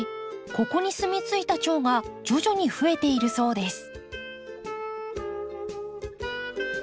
ここに住み着いたチョウが徐々に増えているそうです。